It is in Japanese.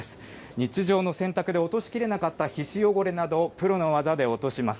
日常の洗濯で落としきれなかった皮脂汚れなどをプロの技で落とします。